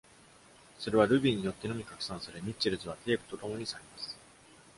それはルビーによってのみ拡散され、ミッチェルズはテープと共に去ります。